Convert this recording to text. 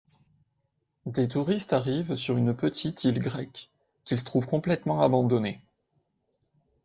Des touristes arrivent sur une petite île grecque, qu'ils trouvent complètement abandonnée.